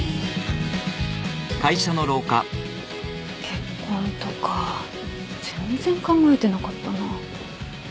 結婚とか全然考えてなかったな。